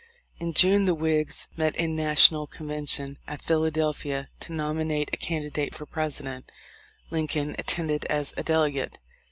In June the Whigs met in national convention at Philadelphia to nominate a candidate for President. Lincoln attended as a delegate.